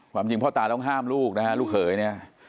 ความจริงพ่อตาต้องห้ามลูกนะฮะลูกเขยเนี่ย